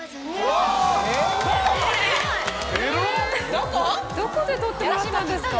どこ⁉どこで撮ってもらったんですか？